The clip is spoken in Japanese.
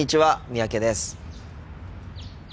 三宅です。